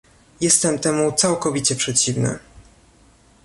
Jestem temu całkowicie przeciwny